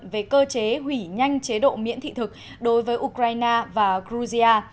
về cơ chế hủy nhanh chế độ miễn thị thực đối với ukraine và georgia